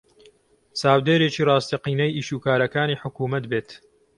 چاودێرێکی ڕاستەقینەی ئیشوکارەکانی حکوومەت بێت